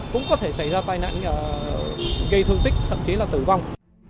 cũng có thể xảy ra tai nạn gây thương tích thậm chí là tử vong